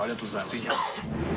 ぜひ。